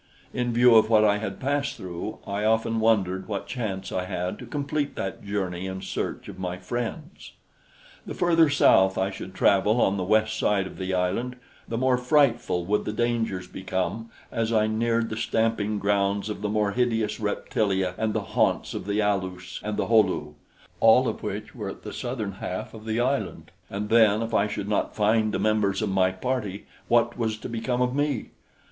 In view of what I had passed through, I often wondered what chance I had to complete that journey in search of my friends. The further south I should travel on the west side of the island, the more frightful would the dangers become as I neared the stamping grounds of the more hideous reptilia and the haunts of the Alus and the Ho lu, all of which were at the southern half of the island; and then if I should not find the members of my party, what was to become of me?